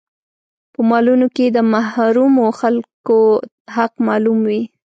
په مالونو کې يې د محرومو خلکو حق معلوم وي.